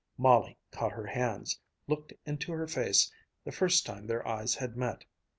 Molly caught her hands, looked into her face, the first time their eyes had met.